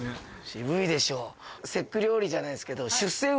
渋いでしょ。